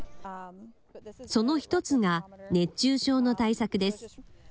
その１つが、熱中症の対策です。